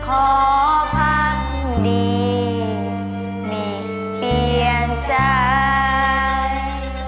ขอพักดีมีเปลี่ยนใจ